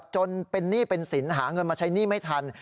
จนเป็นหนี้เป็นสินหาเงินมาใช้หนี้ไม่ทัน